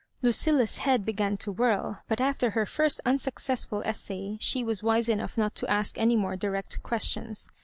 Lucilla*s head began to whirl ; but after her first unsuccessful essay, she was wise enough not to ask any more direct questions.